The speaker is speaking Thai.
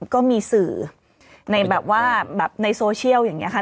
ก็มีสื่อในแบบว่าแบบในโซเชียลอย่างนี้ค่ะ